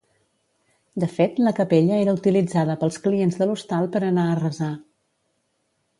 De fet la capella era utilitzada pels clients de l'hostal per anar a resar.